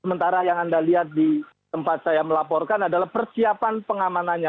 sementara yang anda lihat di tempat saya melaporkan adalah persiapan pengamanannya